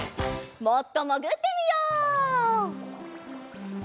もっともぐってみよう。